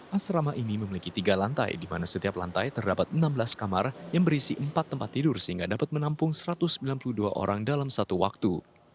asrama ini memiliki tiga lantai di mana setiap lantai terdapat enam belas kamar yang berisi empat tempat tidur sehingga dapat menampung satu ratus sembilan puluh dua orang dalam satu waktu